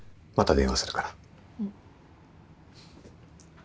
また電話するから。